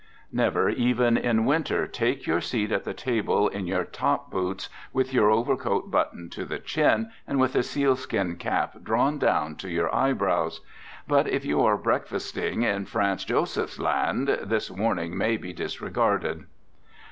Never, even in winter, take your seat at the table in your top boots, with your overcoat buttoned to the chin, and with a sealskin cap drawn down to your eyebrows. But if you are breakfasting in Franz Josef's Land, this warning may be disregarded.